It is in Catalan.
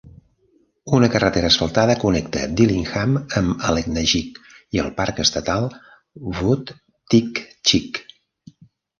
Una carretera asfaltada connecta Dillingham amb Aleknagik i el Parc estatal Wood-Tikchik.